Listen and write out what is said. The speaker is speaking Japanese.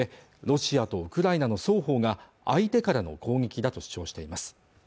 ロシアとウクライナの双方が相手からの攻撃だと主張しています